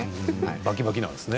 バキバキなんですね。